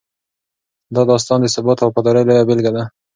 دا داستان د ثبات او وفادارۍ لویه بېلګه ده.